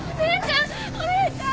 お姉ちゃん！